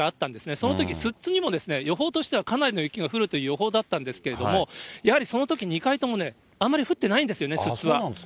そのとき寿都にも予報としてはかなりの雪が降るという予報だったんですけれども、やはりそのとき、２回ともあんまり降ってないんですよね、寿都は。